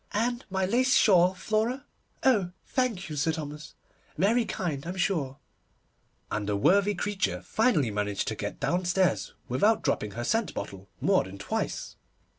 And my lace shawl, Flora? Oh, thank you, Sir Thomas, very kind, I'm sure'; and the worthy creature finally managed to get downstairs without dropping her scent bottle more than twice.